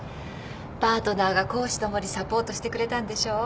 パートナーが公私ともにサポートしてくれたんでしょ？